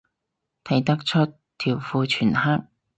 睇唔出，條褲全黑